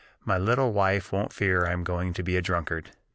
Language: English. My little wife won't fear I am going to be a drunkard."